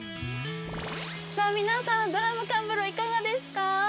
さあ皆さんドラム缶風呂いかがですか？